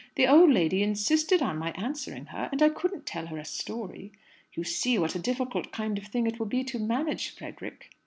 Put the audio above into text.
The old lady insisted on my answering her, and I couldn't tell her a story.' You see what a difficult kind of thing it will be to manage, Frederick." Mr.